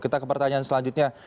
kita ke pertanyaan selanjutnya